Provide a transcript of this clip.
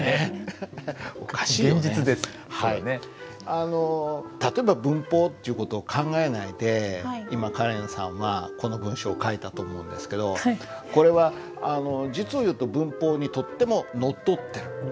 あの例えば文法っていう事を考えないで今カレンさんはこの文章を書いたと思うんですけどこれは実を言うと文法にとってものっとってる。